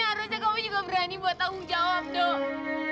harusnya kamu juga berani buat tanggung jawab dong